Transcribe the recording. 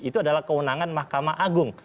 itu adalah kewenangan mahkamah agung